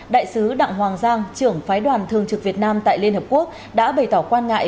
đại sứ đặng hoàng giang trưởng phái đoàn thường trực việt nam tại liên hợp quốc đã bày tỏ quan ngại